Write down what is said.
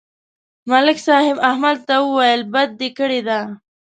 ملک صاحب احمد ته وویل: بدي دې کړې ده